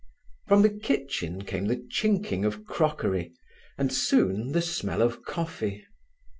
From the kitchen came the chinking of crockery, and soon the smell of coffee.